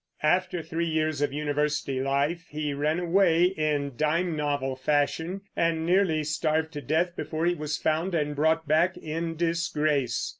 After three years of university life he ran away, in dime novel fashion, and nearly starved to death before he was found and brought back in disgrace.